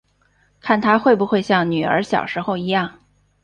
看她会不会像女儿小时候一样